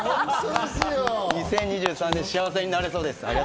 ２０２３年、幸せになれそうです。